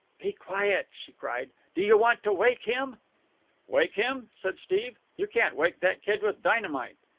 "Be quiet!" she cried. "Do you want to wake him?" "Wake him?" said Steve. "You can't wake that kid with dynamite."